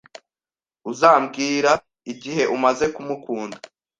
Uzambwira igihe umaze kumukunda?